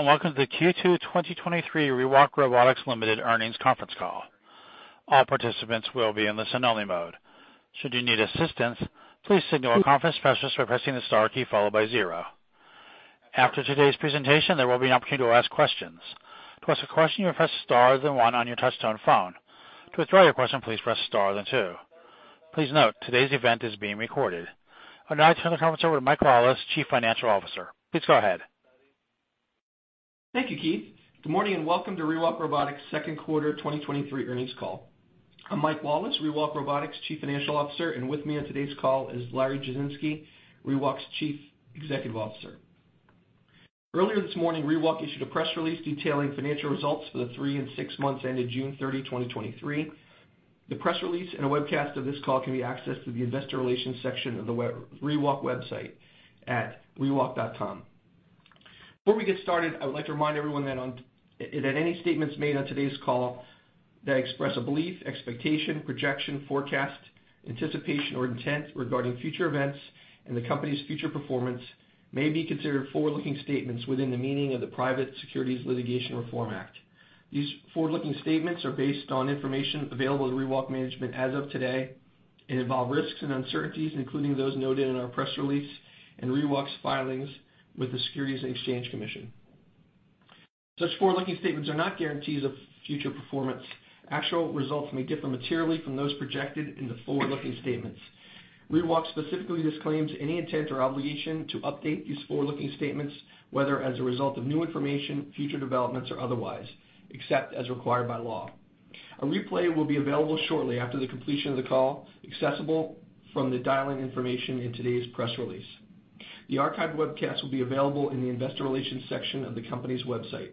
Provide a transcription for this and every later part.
Hello, welcome to the Q2 2023 ReWalk Robotics Ltd. Earnings Conference Call. All participants will be in listen only mode. Should you need assistance, please signal a conference specialist by pressing the star key followed by 0. After today's presentation, there will be an opportunity to ask questions. To ask a question, you press star, then 1 on your touchtone phone. To withdraw your question, please press star, then 2. Please note, today's event is being recorded. I'd now turn the conference over to Mike Lawless, Chief Financial Officer. Please go ahead. Thank you, Keith. Good morning, welcome to ReWalk Robotics Q2 2023 earnings call. I'm Mike Lawless, ReWalk Robotics' Chief Financial Officer, and with me on today's call is Larry Jasinski, ReWalk's Chief Executive Officer. Earlier this morning, ReWalk issued a press release detailing financial results for the three and six months ended June thirty, 2023. The press release and a webcast of this call can be accessed through the investor relations section of the web, ReWalk website at rewalk.com. Before we get started, I would like to remind everyone that any statements made on today's call that express a belief, expectation, projection, forecast, anticipation, or intent regarding future events and the company's future performance may be considered forward-looking statements within the meaning of the Private Securities Litigation Reform Act. These forward-looking statements are based on information available to ReWalk management as of today, and involve risks and uncertainties, including those noted in our press release and ReWalk's filings with the Securities and Exchange Commission. Such forward-looking statements are not guarantees of future performance. Actual results may differ materially from those projected in the forward-looking statements. ReWalk specifically disclaims any intent or obligation to update these forward-looking statements, whether as a result of new information, future developments, or otherwise, except as required by law. A replay will be available shortly after the completion of the call, accessible from the dial-in information in today's press release. The archived webcast will be available in the Investor Relations section of the company's website.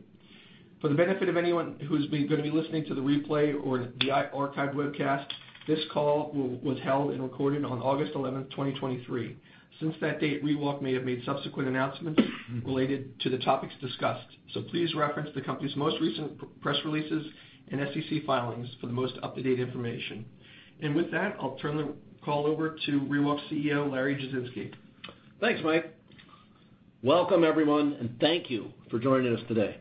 For the benefit of anyone who's gonna be listening to the replay or the archived webcast, this call was held and recorded on August 11, 2023. Since that date, ReWalk may have made subsequent announcements related to the topics discussed, so please reference the company's most recent press releases and SEC filings for the most up-to-date information. With that, I'll turn the call over to ReWalk's CEO, Larry Jasinski. Thanks, Mike. Welcome, everyone, and thank you for joining us today.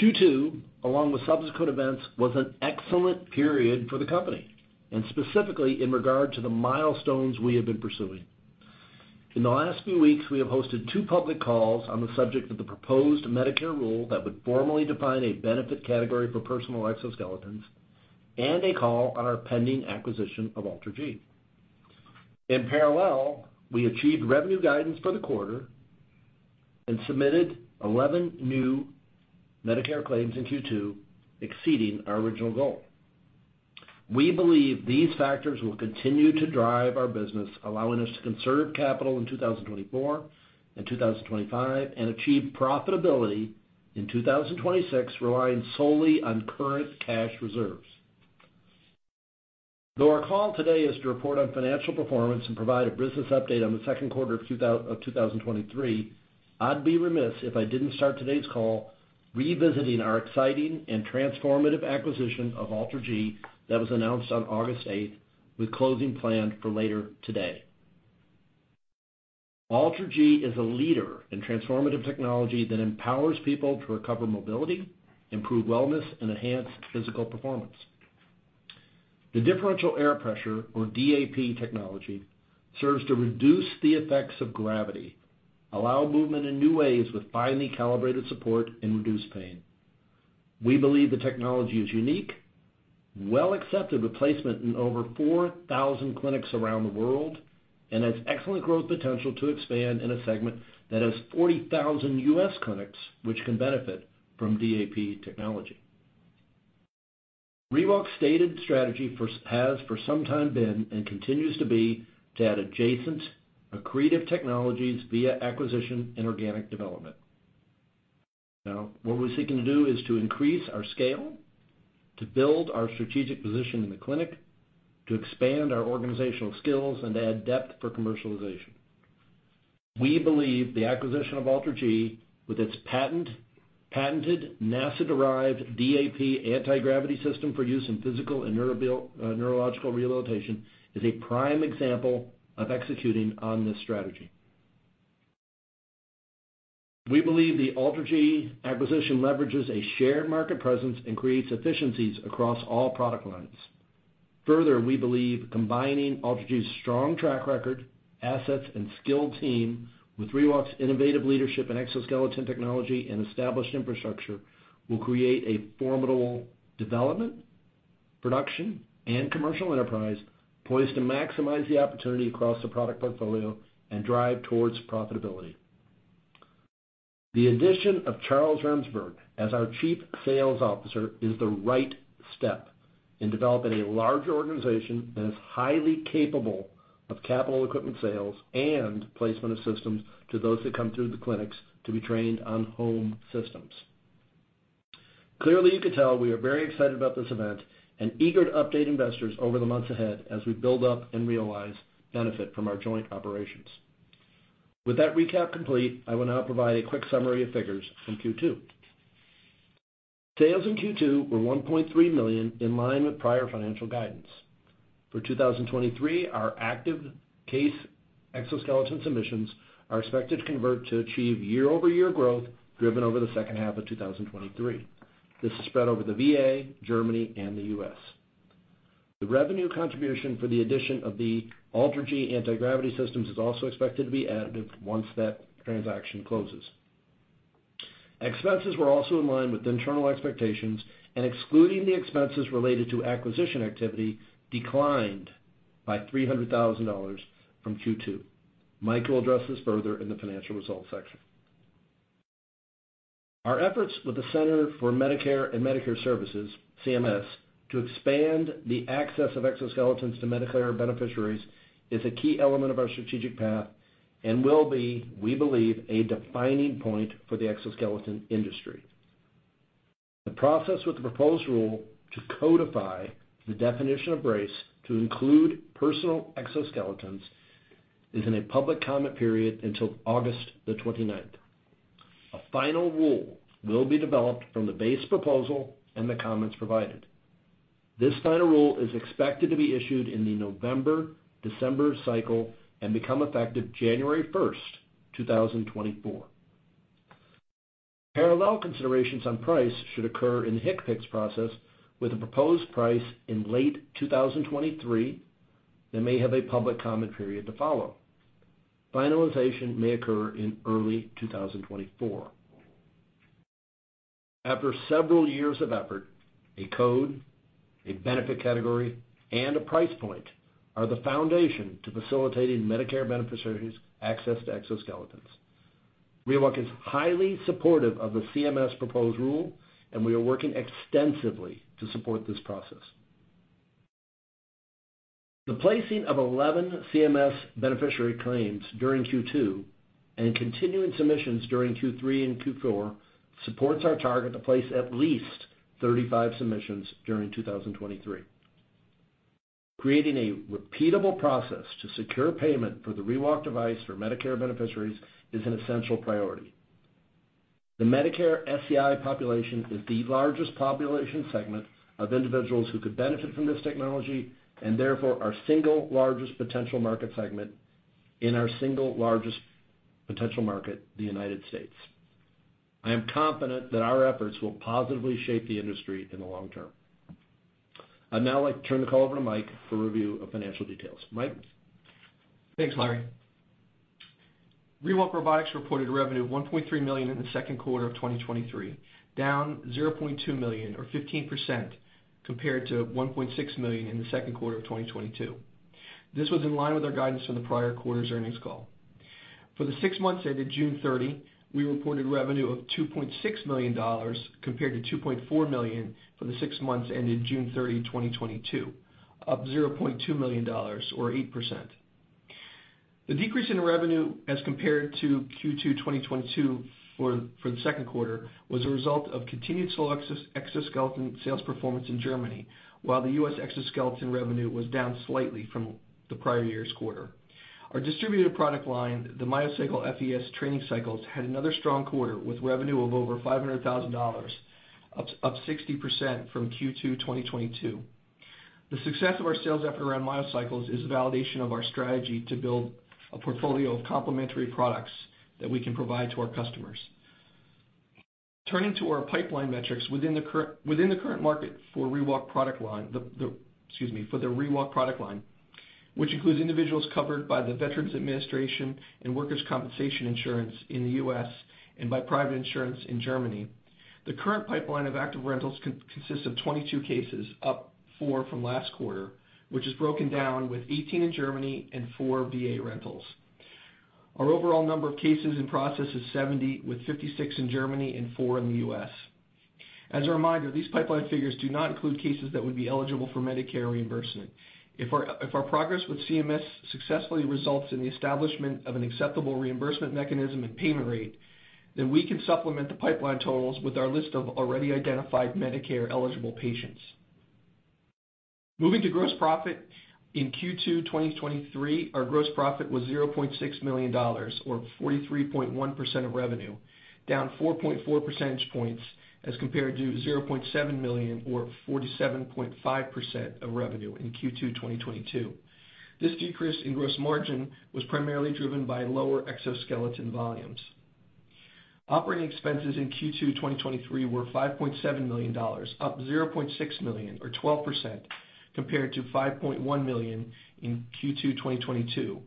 Q2, along with subsequent events, was an excellent period for the company, and specifically in regard to the milestones we have been pursuing. In the last few weeks, we have hosted two public calls on the subject of the proposed Medicare rule that would formally define a benefit category for personal exoskeletons, and a call on our pending acquisition of AlterG. In parallel, we achieved revenue guidance for the quarter and submitted 11 new Medicare claims in Q2, exceeding our original goal. We believe these factors will continue to drive our business, allowing us to conserve capital in 2024 and 2025, and achieve profitability in 2026, relying solely on current cash reserves. Though our call today is to report on financial performance and provide a business update on the Q2 of 2023, I'd be remiss if I didn't start today's call revisiting our exciting and transformative acquisition of AlterG that was announced on August 8th, with closing planned for later today. AlterG is a leader in transformative technology that empowers people to recover mobility, improve wellness, and enhance physical performance. The Differential Air Pressure, or DAP technology, serves to reduce the effects of gravity, allow movement in new ways with finely calibrated support, and reduce pain. We believe the technology is unique, well accepted, with placement in over 4,000 clinics around the world, and has excellent growth potential to expand in a segment that has 40,000 US clinics, which can benefit from DAP technology. ReWalk's stated strategy has for some time been, and continues to be, to add adjacent, accretive technologies via acquisition and organic development. Now, what we're seeking to do is to increase our scale, to build our strategic position in the clinic, to expand our organizational skills and add depth for commercialization. We believe the acquisition of AlterG, with its patented NASA-derived DAP anti-gravity system for use in physical and neurological rehabilitation, is a prime example of executing on this strategy. We believe the AlterG acquisition leverages a shared market presence and creates efficiencies across all product lines. Further, we believe combining AlterG's strong track record, assets, and skilled team with ReWalk's innovative leadership in exoskeleton technology and established infrastructure will create a formidable development, production, and commercial enterprise poised to maximize the opportunity across the product portfolio and drive towards profitability. The addition of Charles Remsberg as our Chief Sales Officer is the right step in developing a larger organization that is highly capable of capital equipment sales and placement of systems to those that come through the clinics to be trained on home systems. Clearly, you can tell we are very excited about this event and eager to update investors over the months ahead as we build up and realize benefit from our joint operations. With that recap complete, I will now provide a quick summary of figures from Q2. Sales in Q2 were $1.3 million, in line with prior financial guidance. For 2023, our active case exoskeleton submissions are expected to convert to achieve year-over-year growth, driven over the second half of 2023. This is spread over the VA, Germany, and the U.S. The revenue contribution for the addition of the AlterG Anti-Gravity Systems is also expected to be additive once that transaction closes. Expenses were also in line with internal expectations, and excluding the expenses related to acquisition activity, declined by $300,000 from Q2. Mike will address this further in the financial results section. Our efforts with the Centers for Medicare and Medicaid Services, CMS, to expand the access of exoskeletons to Medicare beneficiaries is a key element of our strategic path and will be, we believe, a defining point for the exoskeleton industry. The process with the proposed rule to codify the definition of brace to include personal exoskeletons, is in a public comment period until August 29th. A final rule will be developed from the base proposal and the comments provided. This final rule is expected to be issued in the November, December cycle and become effective January 1, 2024. Parallel considerations on price should occur in the HCPCS process, with a proposed price in late 2023, that may have a public comment period to follow. Finalization may occur in early 2024. After several years of effort, a code, a benefit category, and a price point are the foundation to facilitating Medicare beneficiaries' access to exoskeletons. ReWalk is highly supportive of the CMS proposed rule, and we are working extensively to support this process. The placing of 11 CMS beneficiary claims during Q2 and continuing submissions during Q3 and Q4 supports our target to place at least 35 submissions during 2023. Creating a repeatable process to secure payment for the ReWalk device for Medicare beneficiaries is an essential priority. The Medicare SCI population is the largest population segment of individuals who could benefit from this technology, and therefore, our single largest potential market segment in our single largest potential market, the United States. I am confident that our efforts will positively shape the industry in the long term. I'd now like to turn the call over to Mike for a review of financial details. Mike? Thanks, Larry. ReWalk Robotics reported revenue of $1.3 million in the Q2 of 2023, down $0.2 million or 15% compared to $1.6 million in the Q2 of 2022. This was in line with our guidance from the prior quarter's earnings call. For the six months ended June 30, we reported revenue of $2.6 million, compared to $2.4 million for the six months ended June 30, 2022, up $0.2 million or 8%. The decrease in revenue as compared to Q2 2022 for the Q2, was a result of continued slow exoskeleton sales performance in Germany, while the U.S. exoskeleton revenue was down slightly from the prior year's quarter. Our distributor product line, the MyoCycle FES training cycles, had another strong quarter, with revenue of over $500,000, up 60% from Q2 2022. The success of our sales effort around MyoCycles is a validation of our strategy to build a portfolio of complementary products that we can provide to our customers. Turning to our pipeline metrics, within the current market for ReWalk product line, for the ReWalk product line, which includes individuals covered by the Veterans Administration and Workers' Compensation Insurance in the U.S. and by private insurance in Germany, the current pipeline of active rentals consists of 22 cases, up 4 from last quarter, which is broken down with 18 in Germany and 4 VA rentals. Our overall number of cases in process is 70, with 56 in Germany and 4 in the U.S. As a reminder, these pipeline figures do not include cases that would be eligible for Medicare reimbursement. If our progress with CMS successfully results in the establishment of an acceptable reimbursement mechanism and payment rate, then we can supplement the pipeline totals with our list of already identified Medicare-eligible patients. Moving to gross profit, in Q2 2023, our gross profit was $0.6 million, or 43.1% of revenue, down 4.4 percentage points as compared to $0.7 million, or 47.5% of revenue in Q2 2022. This decrease in gross margin was primarily driven by lower exoskeleton volumes. Operating expenses in Q2 2023 were $5.7 million, up $0.6 million or 12% compared to $5.1 million in Q2 2022.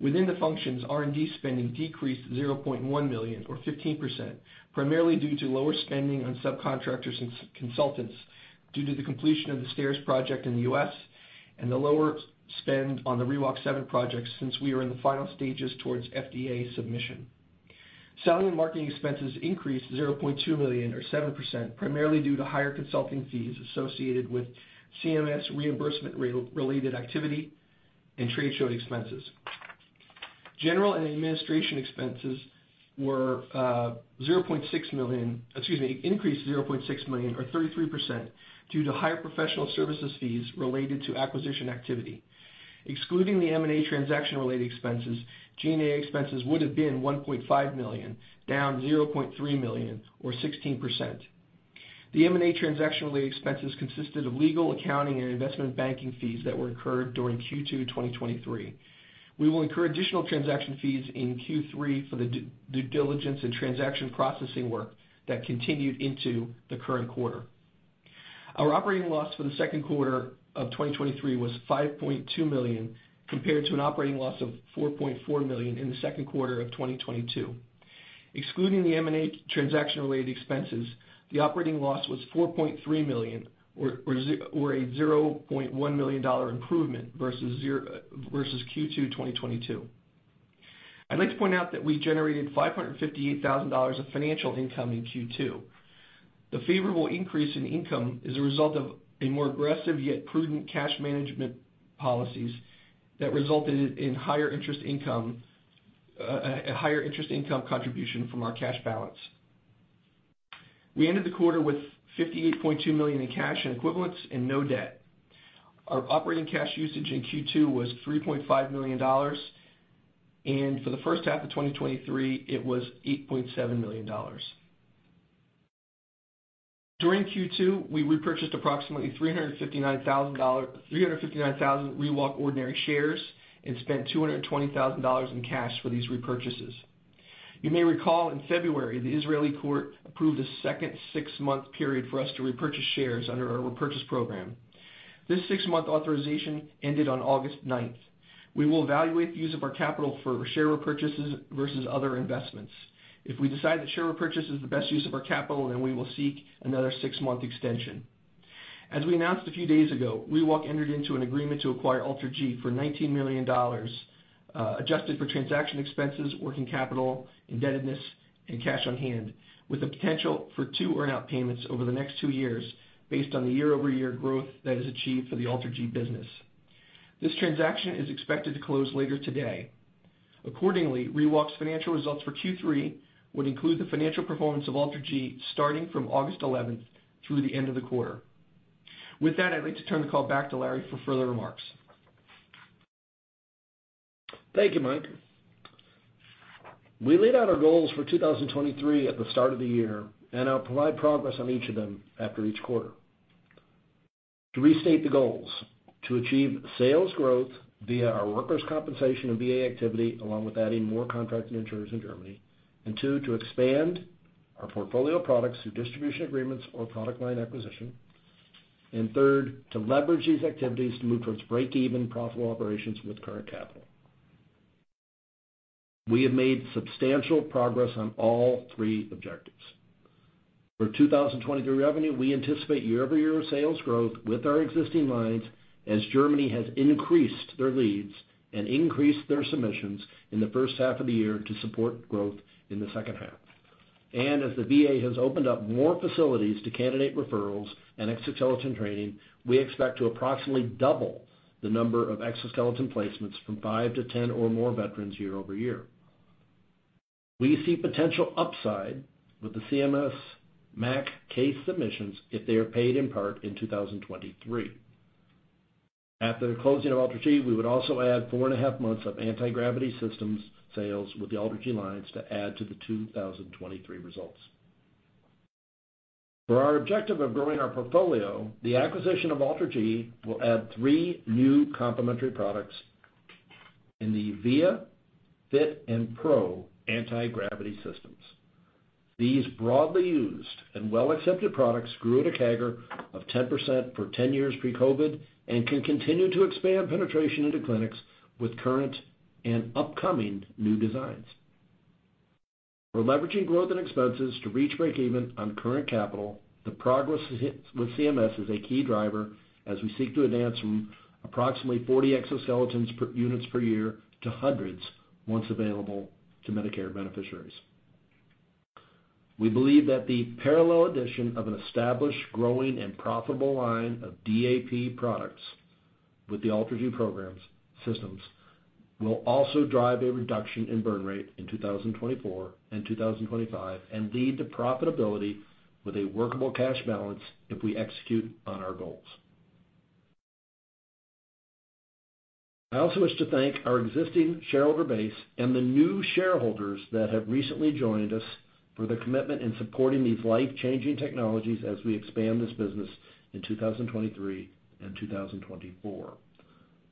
Within the functions, R&D spending decreased $0.1 million or 15%, primarily due to lower spending on subcontractors and consultants due to the completion of the stairs project in the U.S. and the lower spend on the ReWalk 7 projects since we are in the final stages towards FDA submission. Selling and marketing expenses increased $0.2 million or 7%, primarily due to higher consulting fees associated with CMS reimbursement related activity and trade show expenses. General and administration expenses were, excuse me, increased $0.6 million or 33%, due to higher professional services fees related to acquisition activity. Excluding the M&A transaction-related expenses, G&A expenses would have been $1.5 million, down $0.3 million, or 16%. The M&A transaction-related expenses consisted of legal, accounting, and investment banking fees that were incurred during Q2 2023. We will incur additional transaction fees in Q3 for the due diligence and transaction processing work that continued into the current quarter. Our operating loss for the second quarter of 2023 was $5.2 million, compared to an operating loss of $4.4 million in the Q2 of 2022. Excluding the M&A transaction-related expenses, the operating loss was $4.3 million, or a $0.1 million improvement versus Q2 2022. I'd like to point out that we generated $558,000 of financial income in Q2. The favorable increase in income is a result of a more aggressive, yet prudent, cash management policies that resulted in higher interest income, a higher interest income contribution from our cash balance. We ended the quarter with $58.2 million in cash and equivalents and no debt. Our operating cash usage in Q2 was $3.5 million, and for the first half of 2023, it was $8.7 million. During Q2, we repurchased approximately 359,000 ReWalk ordinary shares and spent $220,000 in cash for these repurchases. You may recall, in February, the Israeli court approved a second six-month period for us to repurchase shares under our repurchase program. This six-month authorization ended on August ninth. We will evaluate the use of our capital for share repurchases versus other investments. If we decide that share repurchase is the best use of our capital, we will seek another six-month extension. As we announced a few days ago, ReWalk entered into an agreement to acquire AlterG for $19 million, adjusted for transaction expenses, working capital, indebtedness, and cash on hand, with the potential for two earn-out payments over the next two years based on the year-over-year growth that is achieved for the AlterG business. This transaction is expected to close later today. ReWalk's financial results for Q3 would include the financial performance of AlterG, starting from August 11 through the end of the quarter. With that, I'd like to turn the call back to Larry for further remarks. Thank you, Mike. We laid out our goals for 2023 at the start of the year. I'll provide progress on each of them after each quarter. To restate the goals, to achieve sales growth via our workers' compensation and VA activity, along with adding more contracted insurers in Germany. Two, to expand our portfolio of products through distribution agreements or product line acquisition. Third, to leverage these activities to move towards break-even profitable operations with current capital. We have made substantial progress on all three objectives. For 2023 revenue, we anticipate year-over-year sales growth with our existing lines, as Germany has increased their leads and increased their submissions in the first half of the year to support growth in the second half. As the VA has opened up more facilities to candidate referrals and exoskeleton training, we expect to approximately double the number of exoskeleton placements from 5-10 or more veterans year-over-year. We see potential upside with the CMS MAC case submissions if they are paid in part in 2023. After the closing of AlterG, we would also add 4.5 months of anti-gravity systems sales with the AlterG lines to add to the 2023 results. For our objective of growing our portfolio, the acquisition of AlterG will add three new complementary products in the VIA, FIT, and PRO anti-gravity systems. These broadly used and well-accepted products grew at a CAGR of 10% for 10 years pre-COVID, can continue to expand penetration into clinics with current and upcoming new designs. We're leveraging growth and expenses to reach break even on current capital. The progress with CMS is a key driver as we seek to advance from approximately 40 exoskeletons per units per year to hundreds, once available to Medicare beneficiaries. We believe that the parallel addition of an established, growing, and profitable line of DAP products with the AlterG Anti-Gravity Systems will also drive a reduction in burn rate in 2024 and 2025, and lead to profitability with a workable cash balance if we execute on our goals. I also wish to thank our existing shareholder base and the new shareholders that have recently joined us, for their commitment in supporting these life-changing technologies as we expand this business in 2023 and 2024.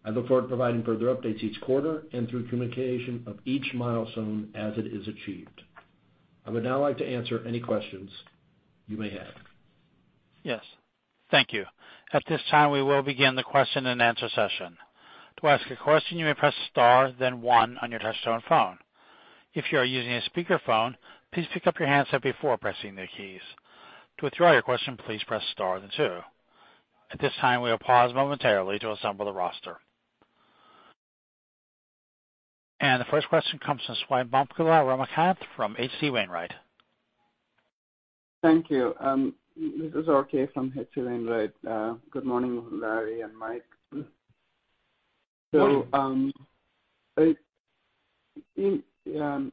I look forward to providing further updates each quarter and through communication of each milestone as it is achieved. I would now like to answer any questions you may have. Yes. Thank you. At this time, we will begin the question-and-answer session. To ask a question, you may press star then one on your touchtone phone. If you are using a speakerphone, please pick up your handset before pressing the keys. To withdraw your question, please press star then two. At this time, we will pause momentarily to assemble the roster. The first question comes from Swayampakula Ramakanth from H.C. Wainwright. Thank you. This is RK from H.C. Wainwright. Good morning, Larry and Mike. I, in,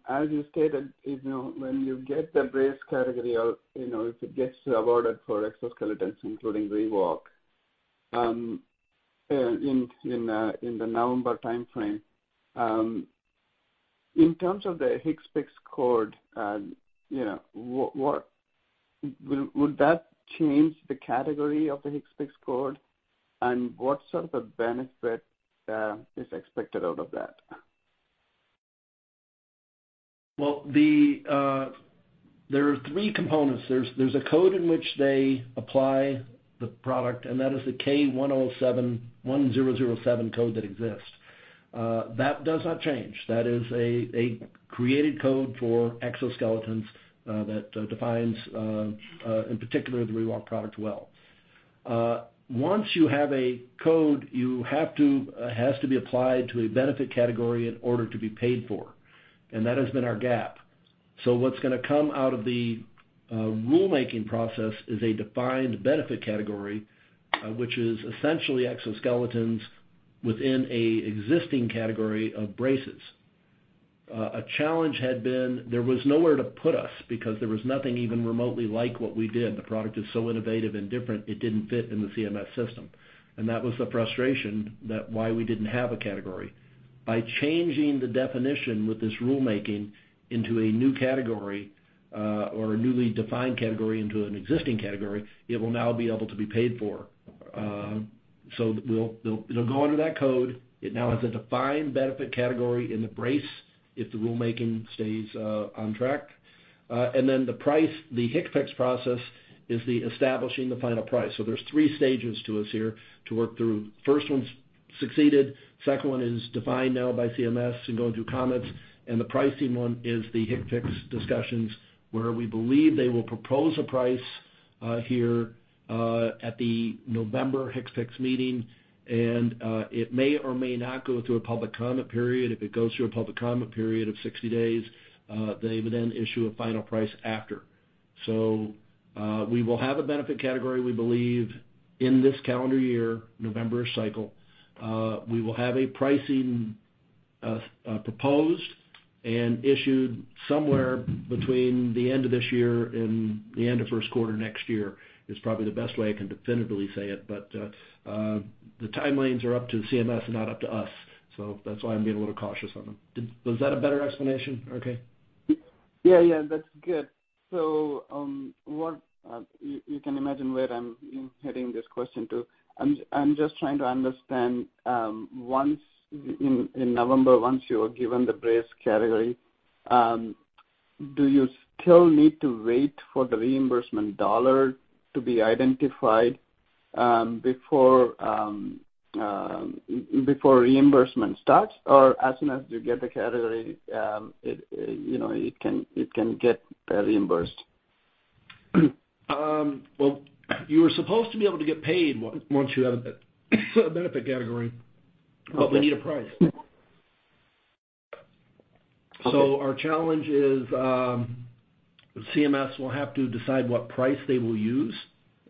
as you stated, you know, when you get the brace category or, you know, if it gets awarded for exoskeletons, including ReWalk, in, in, in the November time frame. In terms of the HCPCS code, you know, what, what, will, would that change the category of the HCPCS code? And what sort of benefit, is expected out of that? There are three components. There's a code in which they apply the product, and that is the K1007 code that exists. That does not change. That is a created code for exoskeletons that defines in particular, the ReWalk product well. Once you have a code, you have to it has to be applied to a benefit category in order to be paid for, and that has been our gap. What's gonna come out of the rulemaking process is a defined benefit category, which is essentially exoskeletons within an existing category of braces. A challenge had been there was nowhere to put us because there was nothing even remotely like what we did. The product is so innovative and different, it didn't fit in the CMS system. That was the frustration that why we didn't have a category. By changing the definition with this rulemaking into a new category, or a newly defined category into an existing category, it will now be able to be paid for. So it'll go under that code. It now has a defined benefit category in the brace if the rulemaking stays on track. The price, the HCPCS process, is the establishing the final price. There's three stages to us here to work through. First one's succeeded, second one is defined now by CMS and going through comments, and the pricing one is the HCPCS discussions, where we believe they will propose a price here at the November HCPCS meeting, and it may or may not go through a public comment period. If it goes through a public comment period of 60 days, they would then issue a final price after. We will have a benefit category, we believe, in this calendar year, November cycle. We will have a pricing, proposed and issued somewhere between the end of this year and the end of Q1 next year, is probably the best way I can definitively say it. The timelines are up to the CMS, and not up to us, so that's why I'm being a little cautious on them. Was that a better explanation, RK? Yeah, yeah, that's good. What, you, you can imagine where I'm heading this question to. I'm, I'm just trying to understand, once in, in November, once you are given the brace category, do you still need to wait for the reimbursement dollar to be identified, before, before reimbursement starts? Or as soon as you get the category, it, you know, it can, it can get, reimbursed? Well, you are supposed to be able to get paid once, once you have a benefit category, but we need a price. Okay. Our challenge is, CMS will have to decide what price they will use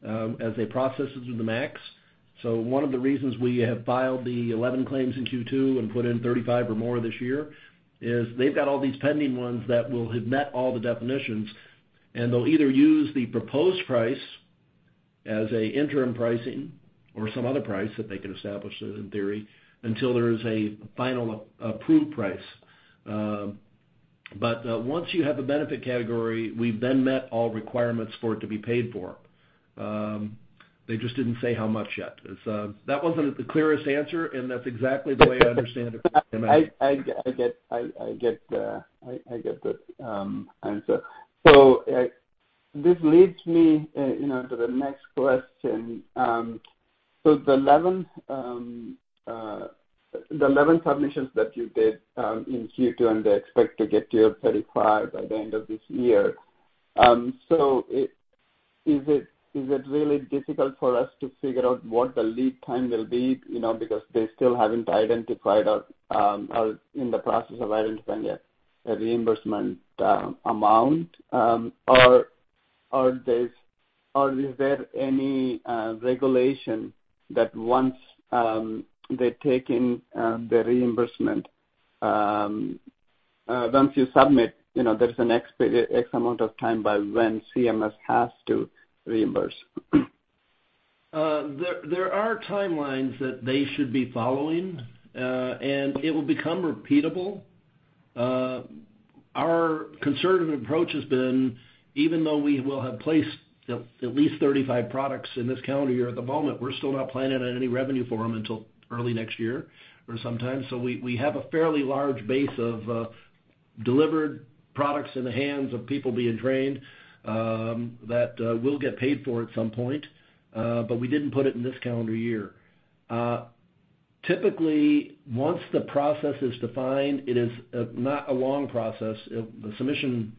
as they process it through the MACs. One of the reasons we have filed the 11 claims in Q2 and put in 35 or more this year, is they've got all these pending ones that will have met all the definitions, and they'll either use the proposed price as an interim pricing or some other price that they can establish in theory, until there is a final approved price. Once you have a benefit category, we've then met all requirements for it to be paid for. They just didn't say how much yet. It's, that wasn't the clearest answer, and that's exactly the way I understand it from CMS. I, I get, I, I get the, I, I get the answer. This leads me, you know, to the next question. the 11, the 11 submissions that you did in Q2, and they expect to get to 35 by the end of this year, so it... Is it, is it really difficult for us to figure out what the lead time will be, you know, because they still haven't identified or, or in the process of identifying a, a reimbursement amount? Or, or there's- or is there any regulation that once they take in the reimbursement, once you submit, you know, there's an X, X amount of time by when CMS has to reimburse? There, there are timelines that they should be following, and it will become repeatable. Our conservative approach has been, even though we will have placed at least 35 products in this calendar year, at the moment, we're still not planning on any revenue for them until early next year or sometime. We have a fairly large base of delivered products in the hands of people being trained, that will get paid for at some point, but we didn't put it in this calendar year. Typically, once the process is defined, it is not a long process. The submission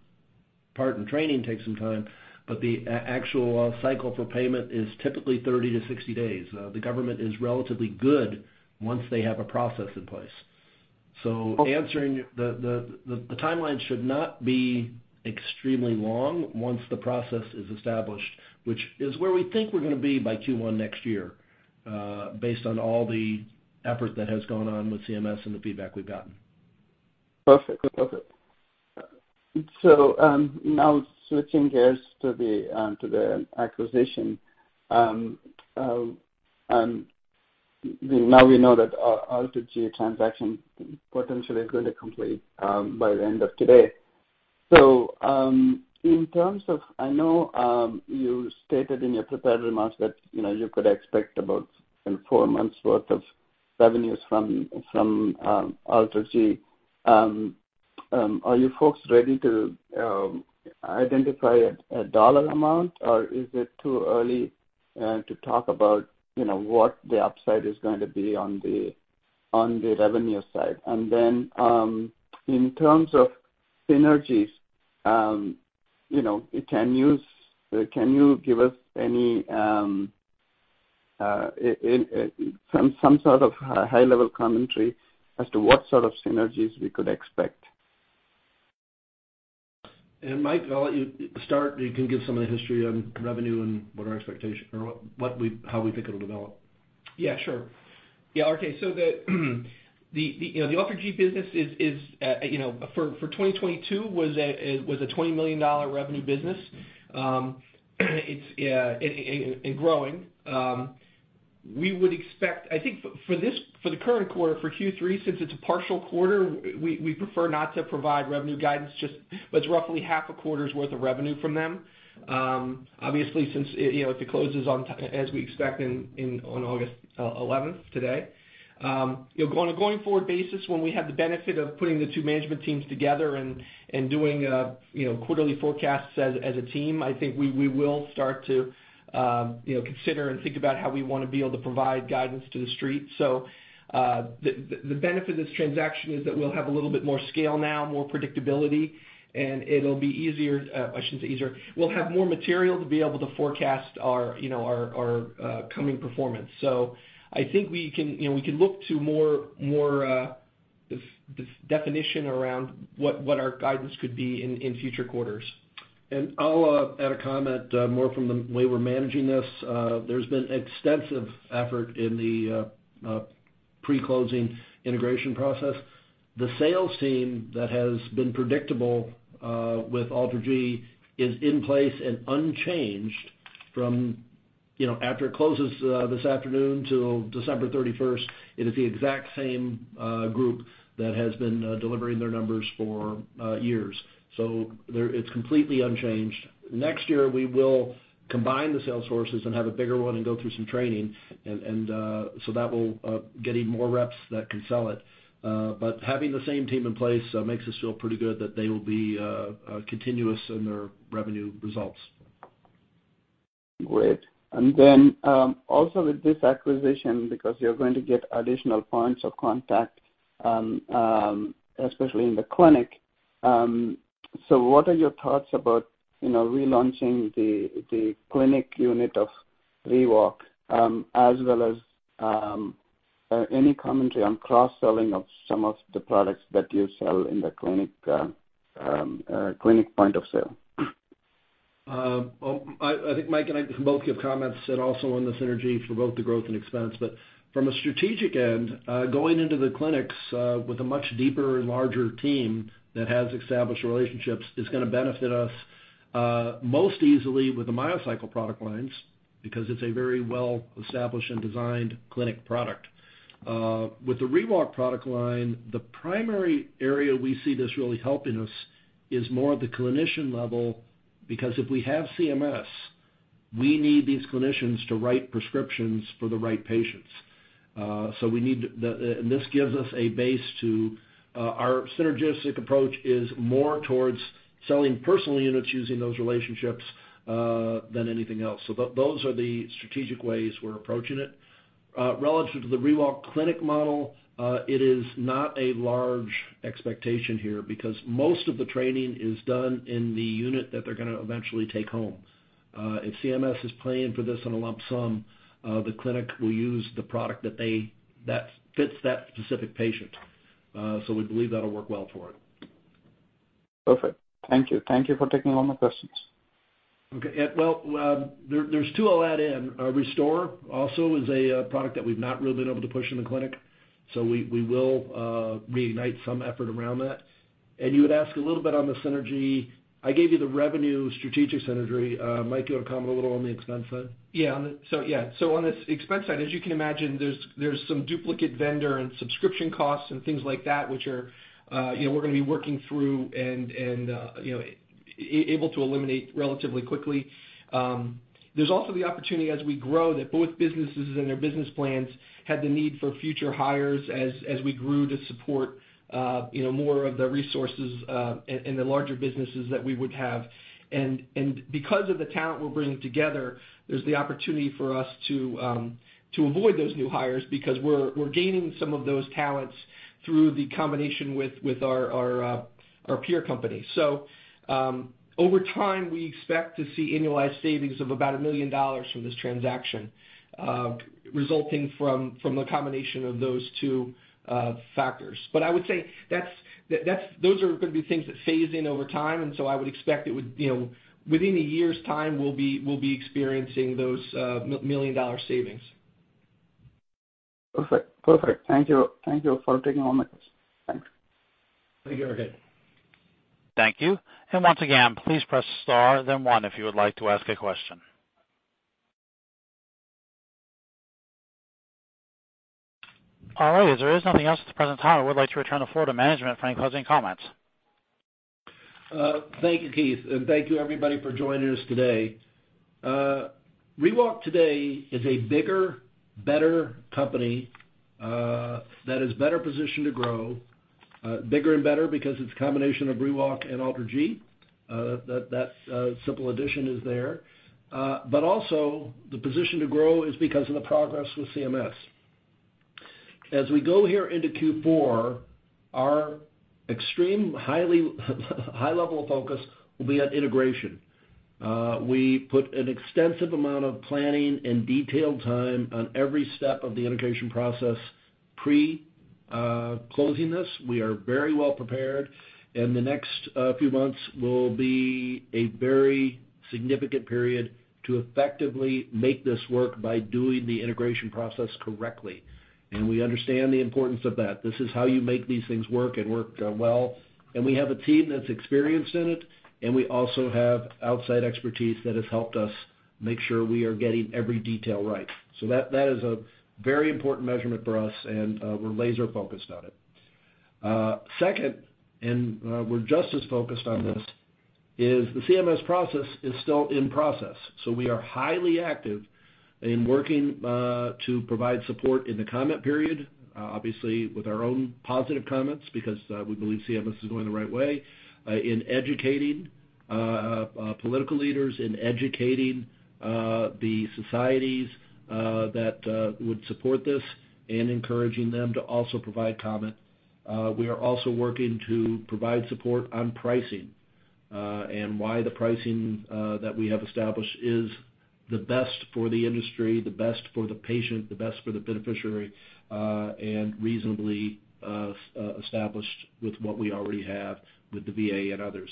part and training takes some time, but the actual cycle for payment is typically 30-60 days. The government is relatively good once they have a process in place. So, answering the, the, the timeline should not be extremely long once the process is established, which is where we think we're gonna be by Q1 next year, based on all the effort that has gone on with CMS and the feedback we've gotten. Perfect. Perfect. Now switching gears to the acquisition. Now we know that AlterG transaction potentially is going to complete by the end of today. In terms of, I know, you stated in your prepared remarks that, you know, you could expect about four months worth of revenues from, from AlterG. Are you folks ready to identify a dollar amount, or is it too early to talk about, you know, what the upside is going to be on the revenue side? Then, in terms of synergies, you know, can you, can you give us any, some, some sort of high-level commentary as to what sort of synergies we could expect? Mike, I'll let you start. You can give some of the history on revenue and what our expectation or what we, how we think it'll develop. Yeah, sure. Yeah, okay. The, the, you know, the AlterG business is, is, you know, for, for 2022 was a, it was a $20 million revenue business. It's, and, and growing. We would expect, I think for this, for the current quarter, for Q3, since it's a partial quarter, we, we prefer not to provide revenue guidance just. It's roughly half a quarter's worth of revenue from them. Obviously, since, you know, if it closes on, as we expect in, in, on August 11th, today. You know, on a going-forward basis, when we have the benefit of putting the two management teams together and doing, you know, quarterly forecasts as a team, I think we, we will start to, you know, consider and think about how we want to be able to provide guidance to The Street. The benefit of this transaction is that we'll have a little bit more scale now, more predictability, and it'll be easier, I shouldn't say easier. We'll have more material to be able to forecast our, you know, our, our coming performance. I think we can, you know, we can look to more, more def- def- definition around what, what our guidance could be in, in future quarters. I'll add a comment, more from the way we're managing this. There's been extensive effort in the pre-closing integration process. The sales team that has been predictable with AlterG is in place and unchanged from, you know, after it closes this afternoon till December 31st, it is the exact same group that has been delivering their numbers for years. It's completely unchanged. Next year, we will combine the sales forces and have a bigger one and go through some training, and that will get even more reps that can sell it. Having the same team in place makes us feel pretty good that they will be continuous in their revenue results. Great. Then, also with this acquisition, because you're going to get additional points of contact, especially in the clinic, so what are your thoughts about, you know, relaunching the, the clinic unit of Lifeward? As well as, any commentary on cross-selling of some of the products that you sell in the clinic, clinic point of sale? Well, I, I think Mike and I can both give comments, and also on the synergy for both the growth and expense. From a strategic end, going into the clinics, with a much deeper and larger team that has established relationships is gonna benefit us, most easily with the MyoCycle product lines, because it's a very well-established and designed clinic product. With the ReWalk product line, the primary area we see this really helping us is more at the clinician level, because if we have CMS, we need these clinicians to write prescriptions for the right patients. So we need, and this gives us a base to, our synergistic approach is more towards selling personal units using those relationships, than anything else. Those are the strategic ways we're approaching it. Relative to the ReWalk clinic model, it is not a large expectation here because most of the training is done in the unit that they're gonna eventually take home. If CMS is playing for this on a lump sum, the clinic will use the product that they, that fits that specific patient. We believe that'll work well for it. Perfect. Thank you. Thank you for taking all my questions. Okay, yeah, well, there, there's two I'll add in. ReStore also is a product that we've not really been able to push in the clinic, so we, we will reignite some effort around that. You had asked a little bit on the synergy. I gave you the revenue strategic synergy. Mike, you want to comment a little on the expense side? Yeah, on the... Yeah. On this expense side, as you can imagine, there's, there's some duplicate vendor and subscription costs and things like that, which are, you know, we're gonna be working through and, and, you know, able to eliminate relatively quickly. There's also the opportunity as we grow that both businesses and their business plans had the need for future hires as, as we grew to support, you know, more of the resources, and, and the larger businesses that we would have. Because of the talent we're bringing together, there's the opportunity for us to, to avoid those new hires because we're, we're gaining some of those talents through the combination with, with our, our, our peer company. Over time, we expect to see annualized savings of about $1 million from this transaction, resulting from a combination of those two factors. I would say that's, that, that's, those are gonna be things that phase in over time, I would expect it would, you know, within one year's time, we'll be, we'll be experiencing those million-dollar savings. Perfect. Perfect. Thank you. Thank you for taking all my questions. Thanks. Thank you, RK. Thank you. Once again, please press star then one if you would like to ask a question. All right, as there is nothing else at the present time, I would like to return the floor to management for any closing comments. Thank you, Keith, and thank you everybody for joining us today. ReWalk today is a bigger, better company that is better positioned to grow. Bigger and better because it's a combination of ReWalk and AlterG. That, that, simple addition is there. Also, the position to grow is because of the progress with CMS. As we go here into Q4, our extreme, highly, high level of focus will be on integration. We put an extensive amount of planning and detailed time on every step of the integration process pre-closing this. We are very well prepared, and the next few months will be a very significant period to effectively make this work by doing the integration process correctly, and we understand the importance of that. This is how you make these things work and work well. We have a team that's experienced in it, and we also have outside expertise that has helped us make sure we are getting every detail right. That, that is a very important measurement for us, and we're laser focused on it. Second, and we're just as focused on this, is the CMS process is still in process. We are highly active in working to provide support in the comment period, obviously with our own positive comments, because we believe CMS is going the right way in educating political leaders, in educating the societies that would support this and encouraging them to also provide comment. We are also working to provide support on pricing, and why the pricing that we have established is the best for the industry, the best for the patient, the best for the beneficiary, and reasonably established with what we already have with the VA and others.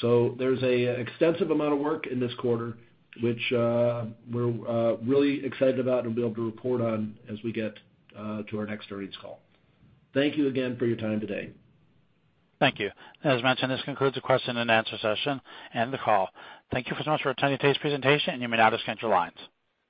There's an extensive amount of work in this quarter, which we're really excited about and be able to report on as we get to our next earnings call. Thank you again for your time today. Thank you. As mentioned, this concludes the question and answer session and the call. Thank you so much for attending today's presentation, and you may now disconnect your lines.